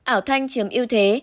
ảo thanh chiếm yêu thế